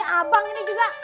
ih abang ini juga